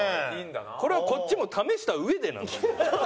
これはこっちも試した上でなんですよ。